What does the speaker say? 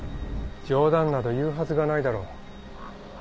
冗談など言うはずがないだろ。